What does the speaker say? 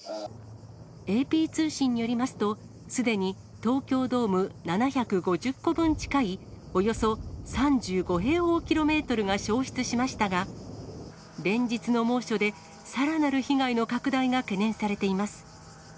ＡＰ通信によりますと、すでに東京ドーム７５０個分近いおよそ３５平方キロメートルが焼失しましたが、連日の猛暑でさらなる被害の拡大が懸念されています。